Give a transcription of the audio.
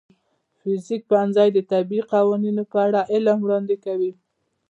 د فزیک پوهنځی د طبیعي قوانینو په اړه علم وړاندې کوي.